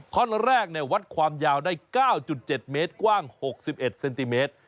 ท่อนแรกวัดความยาวได้๙๗เมตรกว้าง๖๑เซนติเมตร